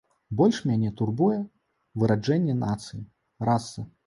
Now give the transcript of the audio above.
Больш мяне турбуе выраджэнне нацыі, расы.